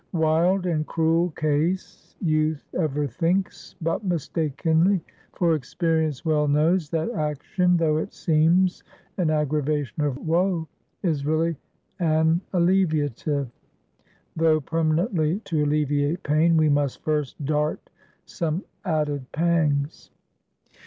Wild and cruel case, youth ever thinks; but mistakenly; for Experience well knows, that action, though it seems an aggravation of woe, is really an alleviative; though permanently to alleviate pain, we must first dart some added pangs.